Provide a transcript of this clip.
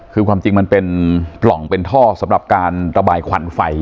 คือความจริงมันเป็นปล่องเป็นท่อสำหรับการระบายควันไฟ